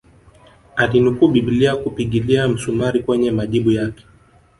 Alinukuu bibilia kupigilia msumari kwenye majibu yake